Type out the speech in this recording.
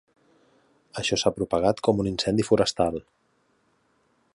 Això s'ha propagat com un incendi forestal!